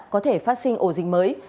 có thể phát sinh ổ dịch mới